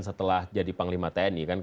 setelah jadi panglima tni kan